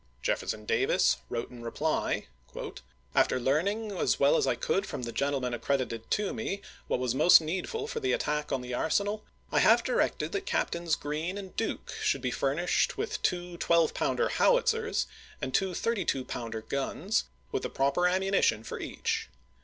Jefferson Davis wrote in reply : After learning as well as I could from the gentlemen accredited to me what was most needful for the attack on the arsenal, I have directed that Captains Green and Duke should be furnished with two 12 pounder howitzers and two o2 pounder guns, with the proper ammunition for each.